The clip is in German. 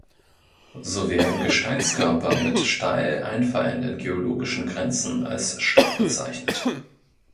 So werden Gesteinskörper mit steil einfallenden geologischen Grenzen als "Stock" bezeichnet.